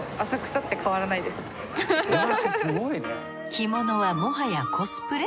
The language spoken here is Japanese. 着物はもはやコスプレ？